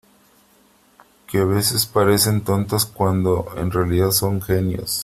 que a veces parecen tontas cuando en realidad son genios .